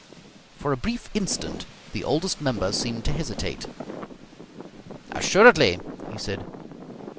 For a brief instant the Oldest Member seemed to hesitate. "Assuredly!" he said.